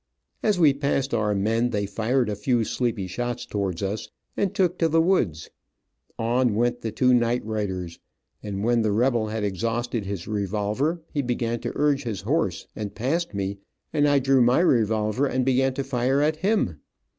As we passed our men they fired a few sleepy shots towards us, and took to the woods. On went the two night riders, and when the rebel had exhausted his revolver he began to urge his horse, and passed me, and I drew my revolver and began to fire at him.